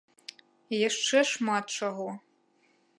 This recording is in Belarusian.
І яшчэ шмат чаго.